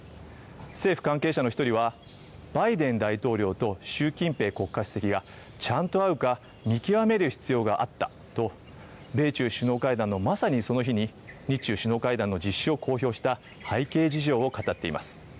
政府関係者の一人は、バイデン大統領と習近平国家主席がちゃんと会うか見極める必要があったと、米中首脳会談のまさにその日に、日中首脳会談の実施を公表した背景事情を語っています。